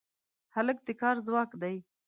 هلک د کار ځواک دی.